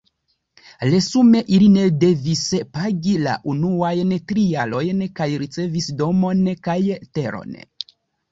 Resume ili ne devis pagi la unuajn tri jarojn kaj ricevis domon kaj teron.